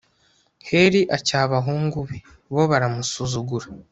heli acyaha abahungu be, bo baramusuzugura